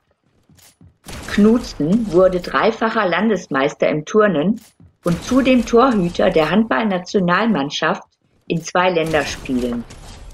Knudsen wurde dreifacher Landesmeister im Turnen und zudem Torhüter der Handballnationalmannschaft in zwei Länderspielen.